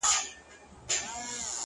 داسي کوټه کي یم چي چارطرف دېوال ته ګورم !